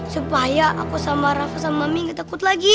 supaya aku sama rafa sama mie gak takut lagi